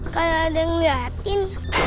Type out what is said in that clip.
kalau ada yang ngeliatin